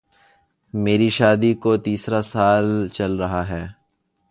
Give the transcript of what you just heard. میری شادی کو تیسرا سال چل رہا ہے